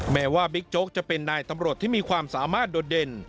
แม้ว่าบิ๊กโจ๊กจะเป็นนายตำรวจที่มีความสามารถโดดเด่น